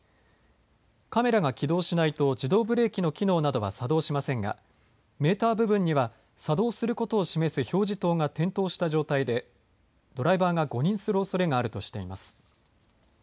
カメラが起動しないと自動ブレーキの機能などが作動しませんが、メーター部分には作動することを示す表示灯が点灯した状態で、ドライバーが誤認するおそれがあるとしています。